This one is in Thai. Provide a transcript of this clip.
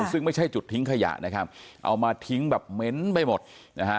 ซึ่งไม่ใช่จุดทิ้งขยะนะครับเอามาทิ้งแบบเหม็นไปหมดนะฮะ